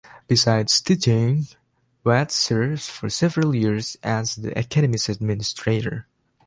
Besides teaching, Watts served for several years as the Academy's administrator.